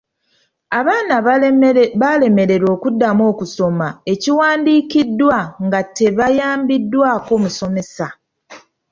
Abaana baalemererwa okuddamu okusoma ekiwandiikiddwa nga tebayambiddwako musomesa.